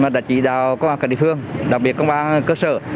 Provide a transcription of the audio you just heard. đã chỉ đào công an cả địa phương đặc biệt công an cơ sở